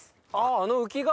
あの浮きが。